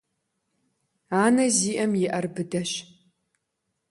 Анэ зиIэм и Iэр быдэщ.